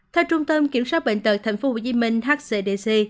theo trung tâm kiểm soát bệnh tật thành phố hồ chí minh hcdc